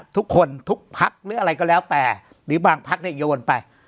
ทุกคนทุกพักหรืออะไรก็แล้วแต่หรือบางพักเนี่ยโยนไป